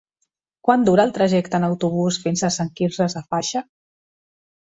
Quant dura el trajecte en autobús fins a Sant Quirze Safaja?